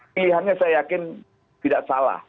pilihannya saya yakin tidak salah